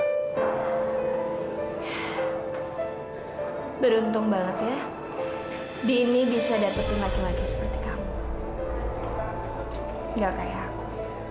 hai beruntung banget ya dini bisa dapetin lagi lagi seperti kamu nggak kayak aku